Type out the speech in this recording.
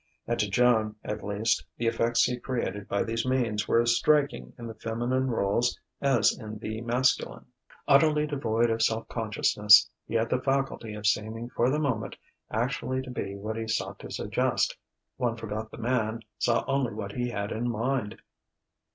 And to Joan, at least, the effects he created by these means were as striking in the feminine rôles as in the masculine. Utterly devoid of self consciousness, he had the faculty of seeming for the moment actually to be what he sought to suggest: one forgot the man, saw only what he had in mind.